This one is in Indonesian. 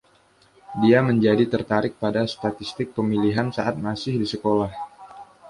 Dia menjadi tertarik pada statistik pemilihan saat masih di sekolah.